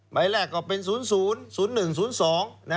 ใบแรกก็เป็น๐๐